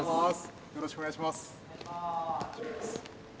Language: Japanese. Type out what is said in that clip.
よろしくお願いします。